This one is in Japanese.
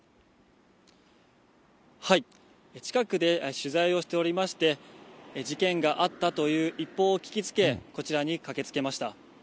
はい、近くで取材をしていまして、事件があったという一報を聞きつけ、こちらに駆けつけました。